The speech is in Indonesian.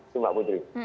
sih mbak putri